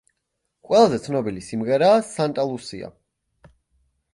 ყველაზე ცნობილი სიმღერაა „სანტა ლუსია“.